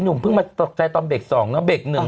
นุ่มเพิ่งมาตกใจตอนเบรกสองนะเบรกหนึ่ง